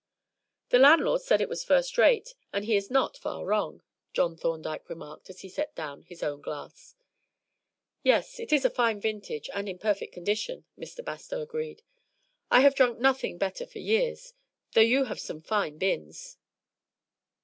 "The landlord said it was first rate, and he is not far wrong," John Thorndyke remarked, as he set down his own glass. "Yes, it is a fine vintage, and in perfect condition," Mr. Bastow agreed. "I have drunk nothing better for years, though you have some fine bins."